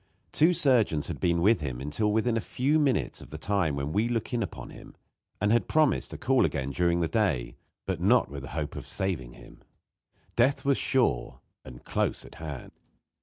Two surgeons had been with him until within a few minutes of the time when we look in upon him, and had promised to call again during the day, but not with the hope of saving him. Death was sure, and close at hand.